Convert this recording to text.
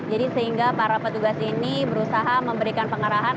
jadi sehingga para petugas ini berusaha memberikan pengarahan